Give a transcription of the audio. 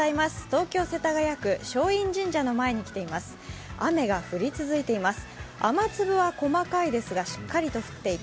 東京・世田谷区、松陰神社の前に来ています。